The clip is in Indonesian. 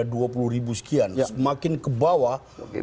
berapa sekian makin ke bawah